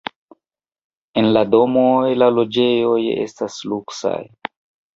En la domoj la loĝejoj estas luksaj.